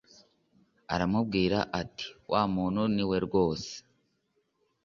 Aramubwira ati wa muntu niwe rwose